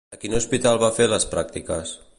A quin hospital va fer les pràctiques?